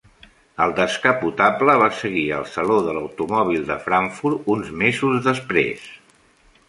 El descapotable va seguir al Saló de l'Automòbil de Frankfurt uns mesos després.